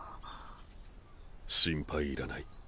心配いらない。